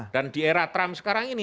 dan di era trump sekarang ini